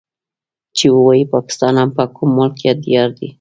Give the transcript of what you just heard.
چې ووايي پاکستان هم کوم ملک يا ديار دی.